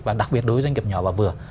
và đặc biệt đối với doanh nghiệp nhỏ và vừa